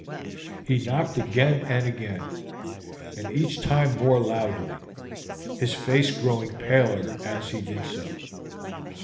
He knocked again and again, and each time more loudly, his face growing paler as he did so.